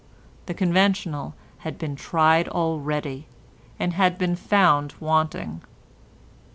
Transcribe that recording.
The conventional had been tried already and had been found wanting.